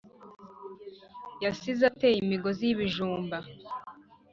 yasize ateye imigozi yibijumba